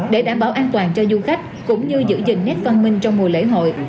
để đảm bảo an toàn cho du khách cũng như giữ gìn nét văn minh trong mùa lễ hội